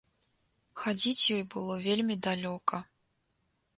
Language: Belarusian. Хадзіць ёй было вельмі далёка.